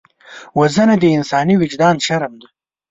وژنه د انساني وجدان شرم ده